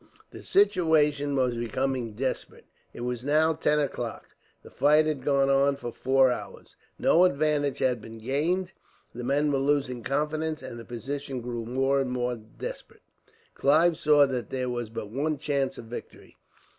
The situation was becoming desperate. It was now ten o'clock. The fight had gone on for four hours. No advantage had been gained, the men were losing confidence, and the position grew more and more desperate. Clive saw that there was but one chance of victory.